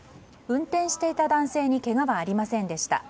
運転していた男性にけがはありませんでした。